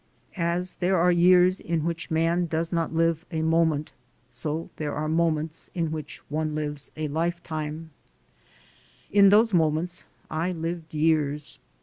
"As there are years in which man does I AM CAUGHT AGAIN 127 not live a moment, so there are moments in which one lives a lifetime." In those moments I lived years.